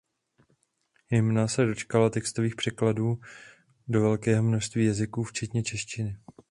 Hymna se dočkala textových překladů do velkého množství jazyků včetně češtiny.